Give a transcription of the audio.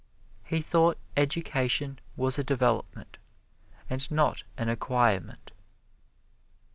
He thought education was a development and not an acquirement.